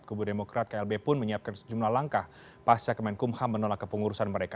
kubu demokrat klb pun menyiapkan sejumlah langkah pasca kemenkumham menolak kepengurusan mereka